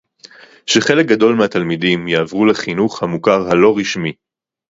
שחלק גדול מהתלמידים יעברו לחינוך המוכר הלא-רשמי